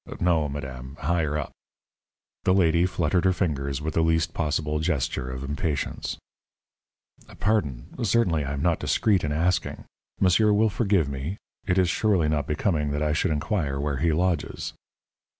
"No, madame; higher up." The lady fluttered her fingers with the least possible gesture of impatience. "Pardon. Certainly I am not discreet in asking. Monsieur will forgive me? It is surely not becoming that I should inquire where he lodges."